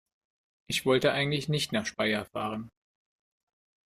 Ich wollte eigentlich nicht nach Speyer fahren